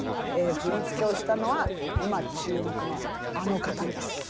振り付けをしたのは今注目のあの方です。